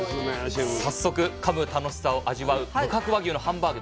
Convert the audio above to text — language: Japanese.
早速かむ楽しさを味わう無角和牛のハンバーグ